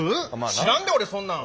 知らんで俺そんなん。